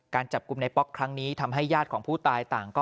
การจับกลุ่มในป๊อกครั้งนี้ทำให้ญาติของผู้ตายต่างก็